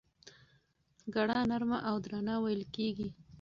ګړه نرمه او درنه وېل کېږي.